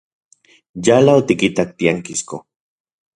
Yala otikitak tiankisko.